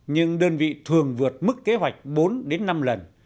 nhưng đơn vị thường vượt mức kế hoạch bốn đến năm lần